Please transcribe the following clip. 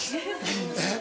えっ？